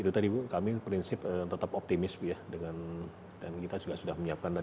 itu tadi bu kami prinsip tetap optimis bu ya dengan dan kita juga sudah menyiapkan